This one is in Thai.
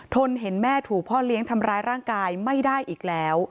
นเห็นแม่ถูกพ่อเลี้ยงทำร้ายร่างกายไม่ได้อีกแล้ว